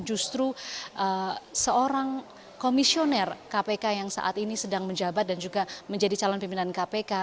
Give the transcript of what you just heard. justru seorang komisioner kpk yang saat ini sedang menjabat dan juga menjadi calon pimpinan kpk